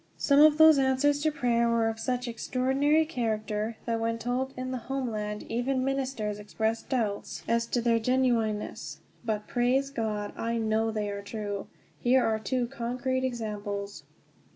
Some of those answers to prayer were of such an extraordinary character that, when told in the homeland, even ministers expressed doubts as to their genuineness. But, praise God, I know they are true. Here are two concrete examples.